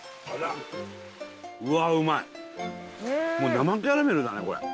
もう生キャラメルだねこれ。